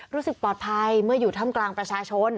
รู้สึกปลอดภัยเมื่ออยู่ถ้ำกลางประชาชน